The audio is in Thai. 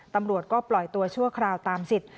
ตำรวจก็ปล่อยตัวชั่วคราวตามสิทธิ